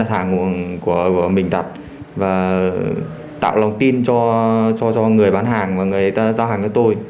hàng của mình đặt và tạo lòng tin cho người bán hàng và người ta giao hàng cho tôi